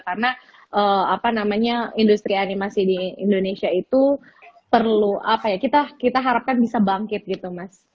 karena apa namanya industri animasi di indonesia itu perlu apa ya kita harapkan bisa bangkit gitu mas